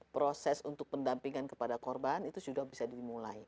proses untuk pendampingan kepada korban itu sudah bisa dimulai